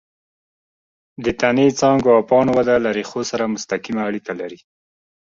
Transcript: د تنې، څانګو او پاڼو وده له ریښو سره مستقیمه اړیکه لري.